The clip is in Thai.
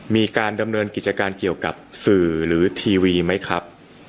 มีการดำเนินกิจการเกี่ยวกับสื่อหรือทีวีไหมครับ